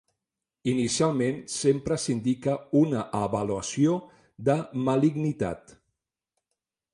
Inicialment, sempre s'indica una avaluació de malignitat.